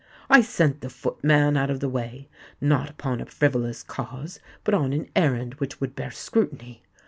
I sent the footman out of the way, not upon a frivolous cause, but on an errand which would bear scrutiny.